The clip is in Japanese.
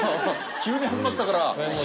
急に始まったから。